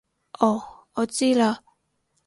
哦我知喇